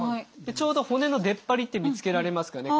ちょうど骨の出っ張りって見つけられますかね。